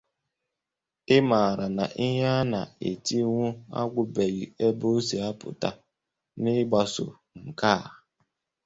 ị mara na ihe a na-etinwu agwụbeghị ebe o si apụta. N'ịgbaso nke a